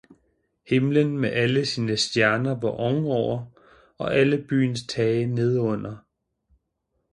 Himlen med alle sine stjerner var ovenover, og alle byens tage nedenunder.